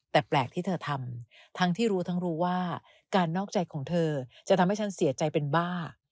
แต่แปลกที่เธอทำทั้งที่รู้ทั้งรู้ว่าการนอกใจของเธอจะทำให้ฉันเสียใจเป็นบ้า